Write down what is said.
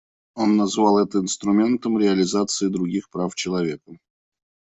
Он назвал это инструментом реализации других прав человека.